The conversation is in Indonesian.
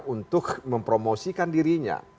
untuk mempromosikan dirinya